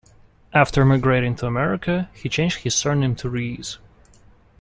After emigrating to America he changed his surname to Rhees.